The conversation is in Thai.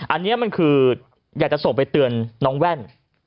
อันนี้มันคืออยากจะส่งไปเตือนน้องแว่น